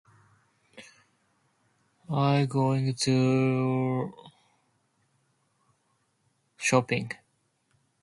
I'm going to...shopping.